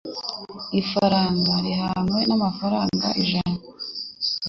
Ifaranga rihwanye n'amafaranga ijana.